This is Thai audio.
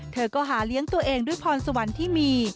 เธอก็หาเลี้ยงตัวเองด้วยพรสวรรค์ที่มี